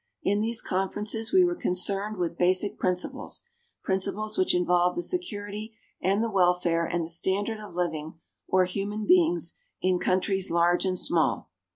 In these conferences we were concerned with basic principles principles which involve the security and the welfare and the standard of living or human beings in countries large and small.